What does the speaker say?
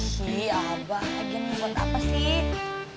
sih abah lagi ini buat apa sih